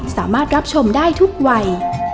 สามารถรับชมได้ทุกวัย